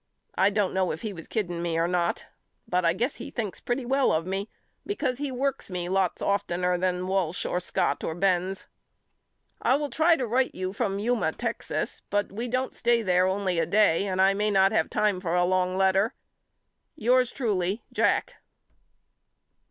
I don't know if he was kidding me or not but I guess he thinks pretty well of me because he works me lots oftener than Walsh or Scott or Benz. I will try to write you from Yuma, Texas, but we don't stay there only a day and I may not have time for a long letter. Yours truly, JACK.